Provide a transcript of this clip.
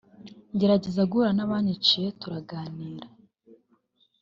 ngerageza guhura n’abanyiciye turaganira